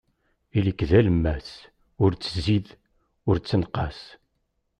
Ili-k d alemmas, ur ttzid, ur ttenqas.